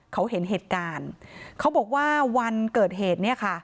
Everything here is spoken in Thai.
เขาเห็นเหตุการณ์เขาบอกว่าวันเกิดเหตุ